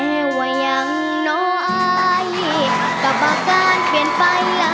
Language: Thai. ได้พร้อมค่ะ